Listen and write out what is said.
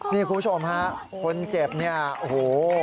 นี่คุณผู้ชมฮะคนเจ็บเนี่ยโอ้โห